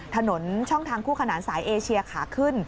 ถนนช่องทางคู่ขนานสายเอเชียขาขึ้น